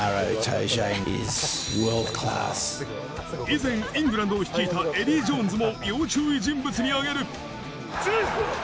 以前イングランドを率いたエディー・ジョーンズも要注意人物に挙げる。